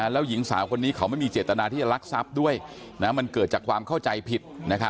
แล้วหญิงสาวคนนี้เขาไม่มีเจตนาที่จะรักทรัพย์ด้วยมันเกิดจากความเข้าใจผิด